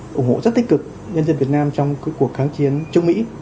việt nam cũng đã từng ủng hộ rất tích cực nhân dân việt nam trong cuộc kháng chiến chung mỹ